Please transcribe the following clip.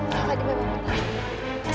ya kak fadil memang betul